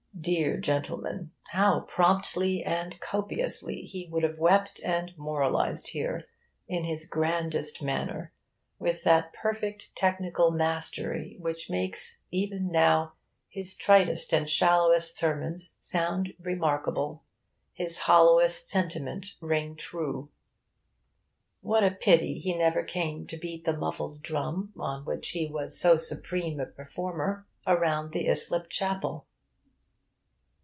Dear gentleman, how promptly and copiously he would have wept and moralised here, in his grandest manner, with that perfect technical mastery which makes even now his tritest and shallowest sermons sound remarkable, his hollowest sentiment ring true! What a pity he never came to beat the muffled drum, on which he was so supreme a performer, around the Islip Chapel!